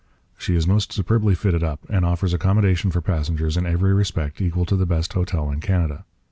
She is most superbly fitted up, and offers accommodation for passengers in every respect equal to the best hotel in Canada.